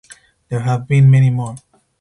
There have been many more.